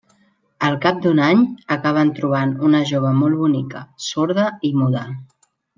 Al cap d'un any, acaben trobant una jove molt bonica, sorda i muda.